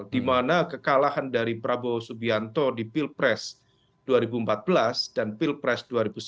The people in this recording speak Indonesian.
di mana kekalahan dari prabowo subianto di pilpres dua ribu empat belas dan pilpres dua ribu sembilan belas